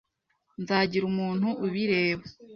Nzagira umuntu ubireba.